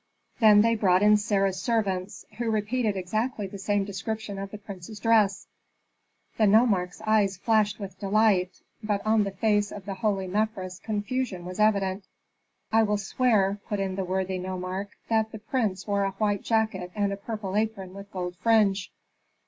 Then they brought in Sarah's servants, who repeated exactly the same description of the prince's dress. The nomarch's eyes flashed with delight, but on the face of the holy Mefres confusion was evident. "I will swear," put in the worthy nomarch, "that the prince wore a white jacket and a purple apron with gold fringe."